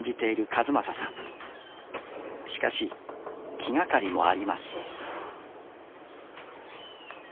しかし気がかりもあります